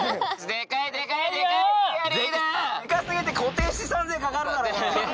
デカ過ぎて固定資産税かかるだろこれ。